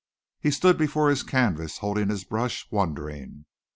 He stood before his canvas holding his brush, wondering.